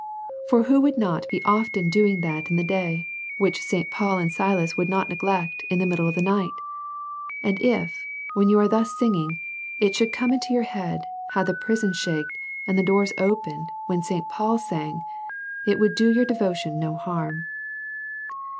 For who would not be often doing that in the day, which St. Paul and Silas would not neglect in the middle of the night? And if, when you are thus sing ing, it should come into your head how the prison shaked, and the doors opened, when St, Paul sang, it would do your devotion no harm.